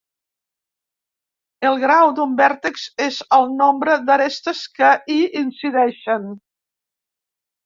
El grau d'un vèrtex és el nombre d'arestes que hi incideixen.